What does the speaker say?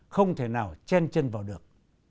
không thể nào chen chân vào được